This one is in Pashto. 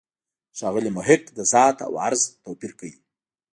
ښاغلی محق د «ذات» او «عرض» توپیر کوي.